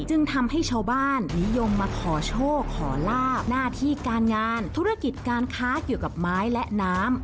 จึงทำให้ชาวบ้านนิยมมาขอโชคขอลาบหน้าที่การงานธุรกิจการค้าเกี่ยวกับไม้และน้ำ